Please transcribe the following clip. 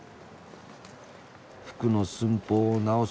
服の寸法を直す